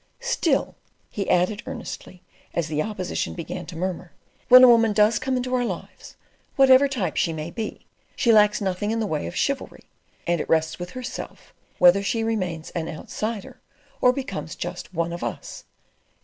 Still," he added earnestly, as the opposition began to murmur, "when a woman does come into our lives, whatever type she may be, she lacks nothing in the way of chivalry, and it rests with herself whether she remains an outsider or becomes just One of Us.